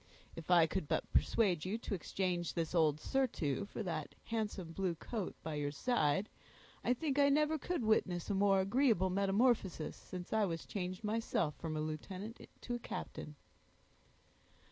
"If I could but persuade you to exchange this old surtout for that handsome blue coat by your side, I think I never could witness a more agreeable metamorphosis, since I was changed myself from a lieutenant to a captain."